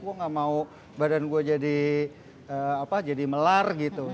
gue gak mau badan gue jadi melar gitu